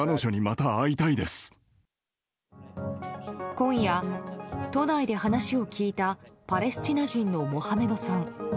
今夜、都内で話を聞いたパレスチナ人のモハメドさん。